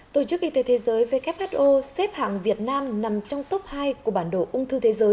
tổ chức y tế thế giới xếp hàng việt nam nằm trong top hai của bản đồ ung thư